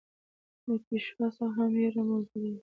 له پېشوا څخه هم وېره موجوده وه.